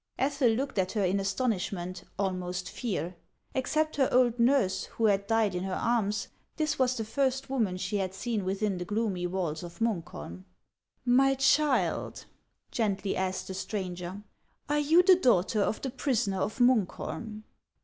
Ethel looked at her in astonishment, almost fear. Ex cept her old nurse, who had died in her arms, this was the first woman she had seen within the gloomy walls of Muukholm. HAXS OF ICELAND. 369 " My child," gently asked the stranger, " are you the daughter of the prisoner of Muukholm